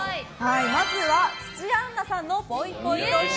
まずは土屋アンナさんのぽいぽいトーク。